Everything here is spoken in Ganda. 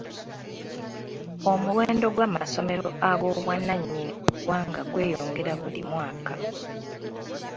Omuwendo gw'amasomero ag'obwannannyini mu ggwanga gweyongera buli mwaka.